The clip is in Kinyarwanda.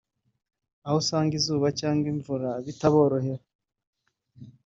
aho usanga izuba cyangwa imvura bitaborohera